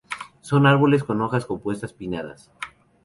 Son árboles con hojas compuestas pinnadas.